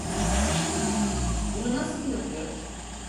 Bunu nasıl yapıyor?